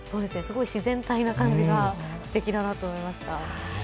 すごい自然体な感じがすてきだなと思いました。